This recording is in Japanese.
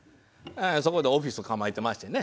そこでオフィスを構えてましてね。